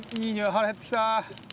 腹減ってきた！